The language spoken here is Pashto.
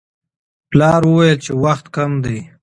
پلار وویل چې وخت کم دی.